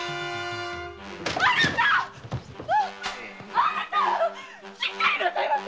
あなたしっかりなさいませ！